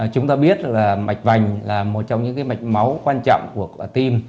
chúng ta biết là mạch vành là một trong những mạch máu quan trọng của tim